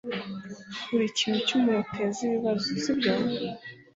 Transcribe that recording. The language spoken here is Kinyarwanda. Urikintu cyumuntu uteza ibibazo, sibyo?